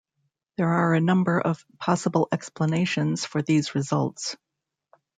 There are a number of possible explanations for these results.